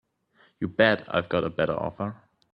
You bet I've got a better offer.